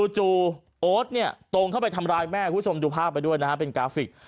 จู่โอ๊ตตงเข้าไปทำร้ายแม่คุณผู้ชมดูภาพด้วยนะครับเป็นกราฟิก